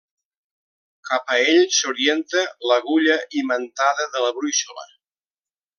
Cap a ell s'orienta l'agulla imantada de la brúixola.